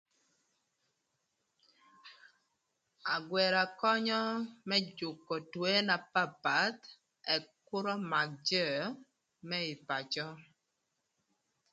Angwëra könyö më jükö twoe na papath ëk kür ömak jö më ï pacö.